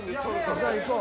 じゃあ行こう。